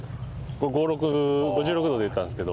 これ５６５６度で打ったんですけど。